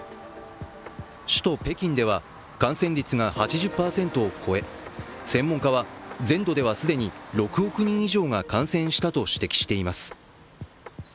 首都・北京では感染率が８０％を超え専門家は全土では既に６億人以上が感染したと指摘しています。